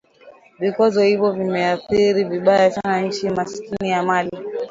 Vikwazo hivyo vimeathiri vibaya sana nchi maskini ya Mali